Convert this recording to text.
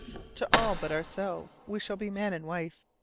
To all but ourselves we shall be man and wife.